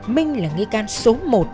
minh là nghi can số một